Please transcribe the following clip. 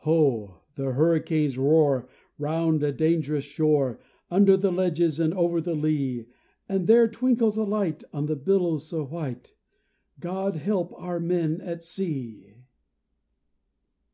Ho! the hurricanes roar round a dangerous shore, Under the ledges and over the lea; And there twinkles a light on the billows so white God help our men at sea!